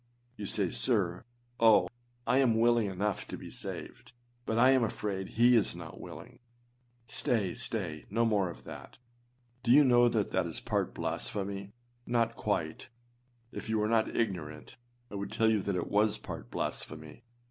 You say, âSir, oh! I am willing enough to be saved, but I am afraid he is not willing.â Stay! stay! no more of that! Do you know that is part blasphemy â not quite. If you were not ignorant, I would tell you that it was part blasphemy.